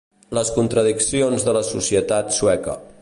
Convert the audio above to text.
Les contradiccions de la societat sueca.